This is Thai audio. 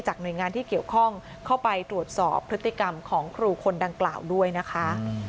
หน่วยงานที่เกี่ยวข้องเข้าไปตรวจสอบพฤติกรรมของครูคนดังกล่าวด้วยนะคะ